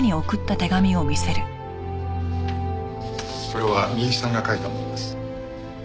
これは美雪さんが書いたものです。